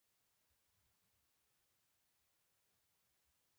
سندره د کلتور برخه ده